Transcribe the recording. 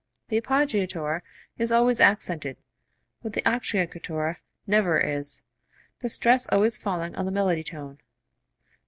The appoggiatura is always accented, but the acciaccatura never is, the stress always falling on the melody tone.